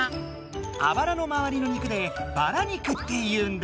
あばらのまわりの肉で「バラ肉」っていうんだ。